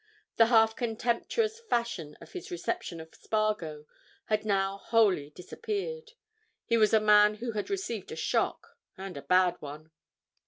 The half contemptuous fashion of his reception of Spargo had now wholly disappeared; he was a man who had received a shock, and a bad one.